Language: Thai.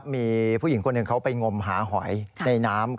มีผู้หญิงคนหนึ่งเขาไปงมหาหอยในน้ำ